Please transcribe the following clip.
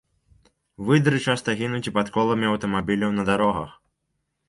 Выдры часта гінуць і пад коламі аўтамабіляў на дарогах.